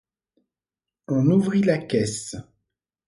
On ouvrit la caisse.